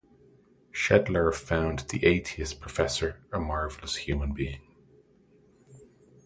Schedler found the atheist professor a marvelous human being.